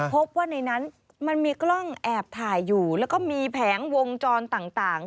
พบว่าในนั้นมันมีกล้องแอบถ่ายอยู่แล้วก็มีแผงวงจรต่าง